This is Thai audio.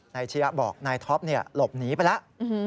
นายออฟต์บอกนายท็อปหลบหนีไปแล้ว